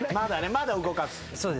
まだ動かず。